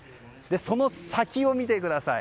その先を見てください。